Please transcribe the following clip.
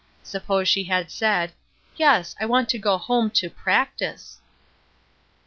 Suppose she had said; "Yes, I want to go home to practice."